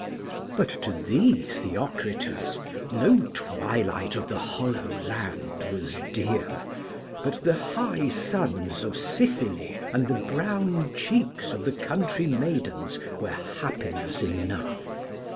But to thee, Theocritus, no twilight of the Hollow Land was dear, but the high suns of Sicily and the brown cheeks of the country maidens were happiness enough.